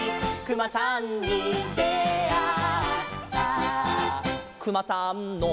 「くまさんの」